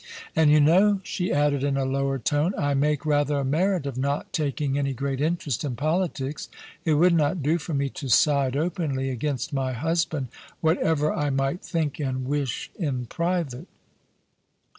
And, you know,' she added in a lower tone, ' I make rather a merit of not taking any great interest in politics ; it would not do for me to side openly against my husband, whatever I might think and wish in private.'